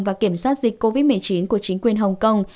và kiểm soát dịch covid một mươi chín của chính quyền hồng kông